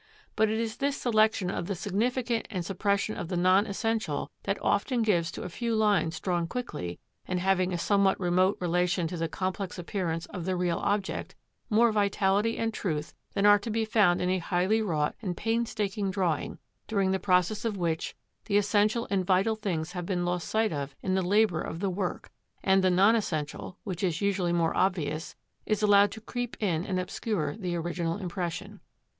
But it is this selection of the significant and suppression of the non essential that often gives to a few lines drawn quickly, and having a somewhat remote relation to the complex appearance of the real object, more vitality and truth than are to be found in a highly wrought and painstaking drawing, during the process of which the essential and vital things have been lost sight of in the labour of the work; and the non essential, which is usually more obvious, is allowed to creep in and obscure the original impression.